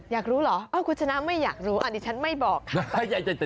อยากรู้เหรอคุณชนะไม่อยากรู้อันนี้ฉันไม่บอกค่ะ